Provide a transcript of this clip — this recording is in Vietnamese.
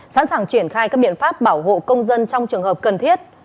sẵn sàng triển khai các biện pháp bảo hộ công dân trong trường hợp cần thiết